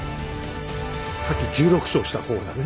さっき１６勝した方だね。